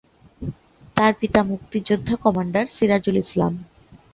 তার পিতা মুক্তিযোদ্ধা কমান্ডার সিরাজুল ইসলাম।